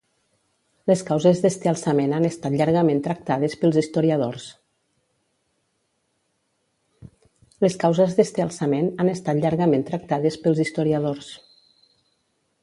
Les causes d'este alçament han estat llargament tractades pels historiadors.